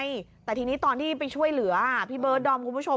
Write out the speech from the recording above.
ใช่แต่ทีนี้ตอนที่ไปช่วยเหลือพี่เบิร์ดดอมคุณผู้ชม